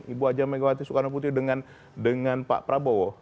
ibu aja megawati soekarno putri dengan pak prabowo